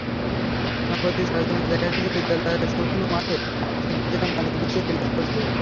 সম্প্রতি সরেজমিনে দেখা গেছে, বিদ্যালয়ের শুকনো মাঠে শিক্ষার্থীরা মাদুর বিছিয়ে ক্লাস করছে।